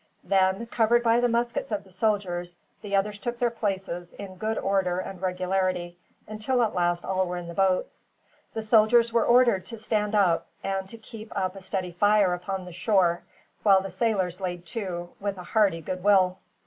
Then, covered by the muskets of the soldiers, the others took their places, in good order and regularity, until at last all were in the boats. The soldiers were ordered to stand up, and to keep up a steady fire upon the shore; while the sailors laid to, with a hearty goodwill.